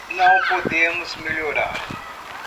Não podemos melhorar